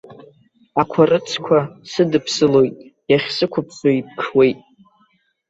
Ақәарыцқәа сыдыԥсылоит, иахьсықәыԥсо иԥҽуеит.